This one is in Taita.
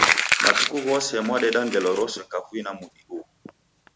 Matuku ghose mwadeda ngelo rose kavui ya mudi ughu.